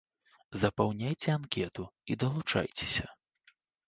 Запаўняйце анкету і далучайцеся.